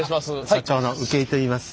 社長の請井といいます。